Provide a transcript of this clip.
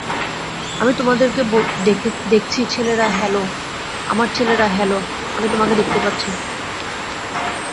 আমি তোমাদেরকে দেখছি, ছেলেরা হ্যালো, আমার ছেলেরা হ্যালো আমি তোমাকে দেখতে পাচ্ছি।